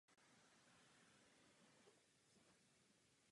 S každou další porážkou německého letectva byl Göring brán stále méně vážně.